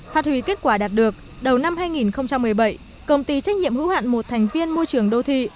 phát huy kết quả đạt được đầu năm hai nghìn một mươi bảy công ty trách nhiệm hữu hạn một thành viên môi trường đô thị